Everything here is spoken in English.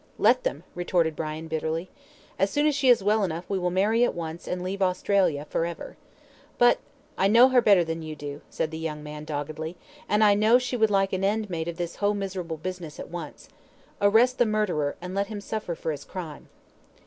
"Let them," retorted Brian, bitterly. "As soon as she is well enough we will marry at once, and leave Australia for ever." "But " "I know her better than you do," said the young man, doggedly; "and I know she would like an end made of this whole miserable business at once. Arrest the murderer, and let him suffer for his crime."